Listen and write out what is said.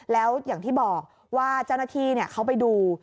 แล้วอย่างที่บอกว่าเจ้าหน้าที่เขาไปดู